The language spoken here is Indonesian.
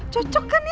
cocok kan ya